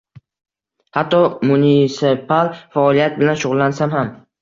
Hatto munisipal faoliyat bilan shug`ullansam kerak